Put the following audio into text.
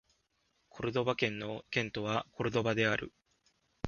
コルドバ県の県都はコルドバである